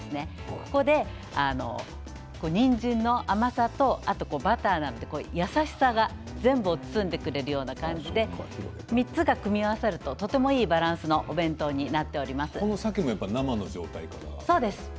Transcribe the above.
ここで、にんじんの甘さバターなどで優しさが全部を包んでくれるような感じで３つが組み合わさるととてもいいバランスのこのさけも生の状態から？